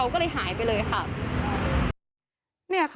ก็เลยหายไปเลยค่ะ